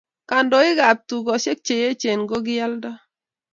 Kandoik ab tukoshek che yechen ko kiyaldo